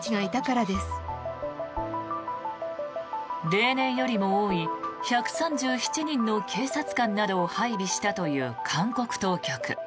例年よりも多い１３７人の警察官などを配備したという韓国当局。